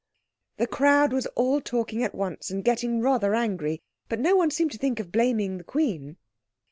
The crowd was all talking at once, and getting rather angry. But no one seemed to think of blaming the Queen.